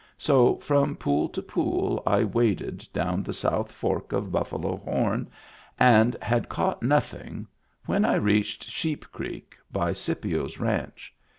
So from pool to pool I waded down the south fork of Buffalo Horn and had caught nothing when I reached Sheep Creek, by Scipio's ranch.